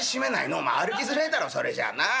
お前歩きづれえだろそれじゃあな。